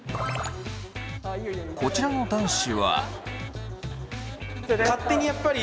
こちらの男子は。